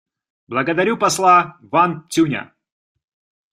Благодарю посла Ван Цюня.